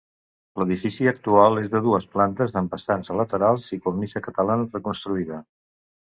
L’edifici actual és de dues plantes amb vessants a laterals i cornisa catalana reconstruïda.